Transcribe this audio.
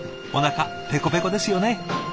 おなかペコペコですよね。